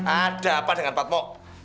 ada apa dengan patmo